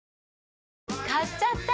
買っちゃった！